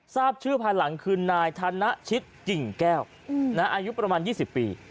ทราบชื่อภายหลังคือนายธนชิตกิ่งแก้วอายุประมาณ๒๐ปี